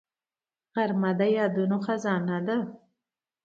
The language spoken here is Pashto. غرمه د یادونو خزانه ده